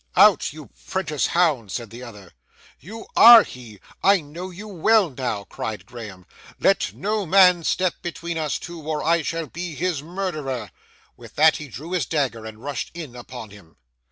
'Out, you 'prentice hound!' said the other. 'You are he! I know you well now!' cried Graham. 'Let no man step between us two, or I shall be his murderer.' With that he drew his dagger, and rushed in upon him.